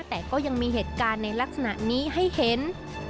แต่ก็ยังมีเหตุการณ์ในลักษณะนี้ให้เห็น